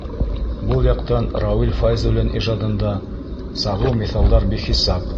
Был яҡтан Рауил Фәйзуллин ижадында сағыу миҫалдар бихисап.